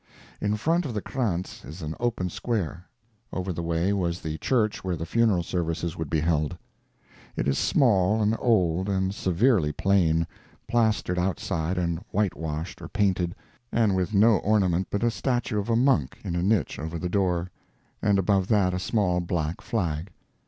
In front of the Krantz is an open square; over the way was the church where the funeral services would be held. It is small and old and severely plain, plastered outside and whitewashed or painted, and with no ornament but a statue of a monk in a niche over the door, and above that a small black flag.